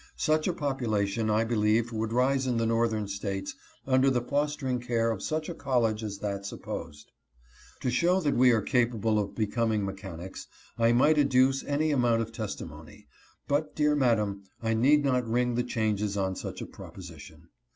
Such a population I believe would rise in the Northern States under the fostering care of such a college as that supposed. To show that we are capable of becoming mechanics I might ad duce any amount of testimony ; but, dear madam, I need not ring the changes on such a proposition.